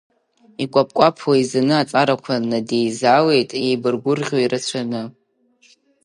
Икәаԥ-кәаԥуа еизаны, аҵарақәа надеизалеит, еибаргәырӷьо ирацәаны.